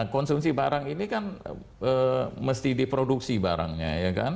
konsumsi barang ini kan mesti diproduksi barangnya